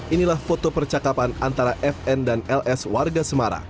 inilah foto percakapan antara fn dan ls warga semarang